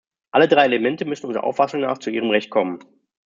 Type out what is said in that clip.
Alle drei Elemente müssen unserer Auffassung nach zu ihrem Recht kommen.